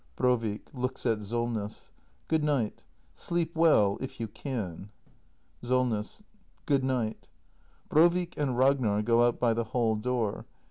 Brovik. [Looks at Solness.] Good night. Sleep well — if you can. Solness. Good night. [Brovik and Ragnar go out by the hall door.